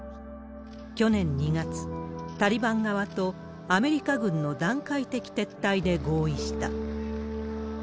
去年２月、タリバン側とアメリカ軍の段階的撤退で合意した。